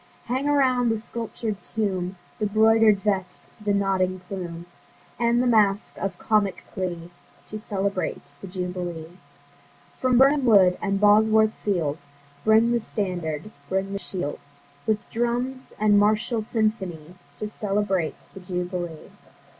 Hang around the sculptur'd tomb The 'broider'd vest, the nodding plume, And the mask of comic glee, To celebrate the Jubilee. From Birnam Wood, and Bosworth Field, Bring the standard, bring the shield, With drums and martial symphony, To celebrate the Jubilee.